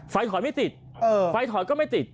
ถอยไม่ติดไฟถอยก็ไม่ติด